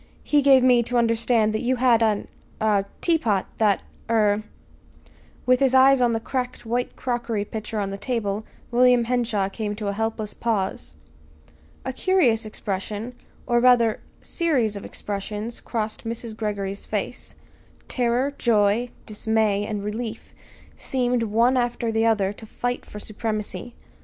He gave me to understand you had an er teapot that er " With his eyes on the cracked white crockery pitcher on the table, William Henshaw came to a helpless pause. A curious expression, or rather, series of expressions crossed Mrs. Greggory's face. Terror, joy, dismay, and relief seemed, one after the other to fight for supremacy.